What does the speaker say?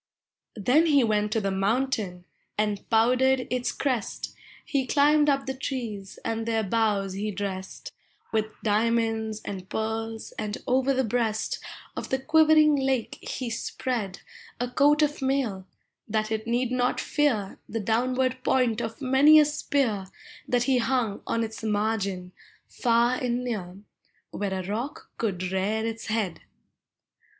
" Then he went to the mountain, and powdered its crest, He climbed up the trees, and their boughs he dressed With diamonds and pearls, and over the breast Of the quivering lake he spread A coat of mail, that it need not fear The downward point of many a spear That he hung on its margin, far ami near. Where a rock could rear its head.